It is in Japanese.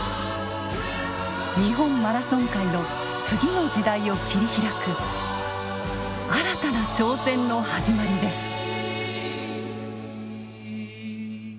日本マラソン界の次の時代を切り開く新たな挑戦の始まりです。